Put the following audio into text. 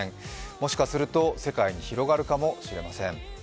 もしかすると、世界に広がるかもしれません。